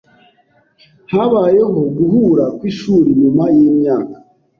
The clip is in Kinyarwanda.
Habayeho guhura kwishuri nyuma yimyaka